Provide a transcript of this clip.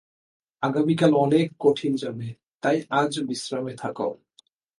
আগামীকাল অনেক কঠিন যাবে তাই আজ বিশ্রামে থাকো।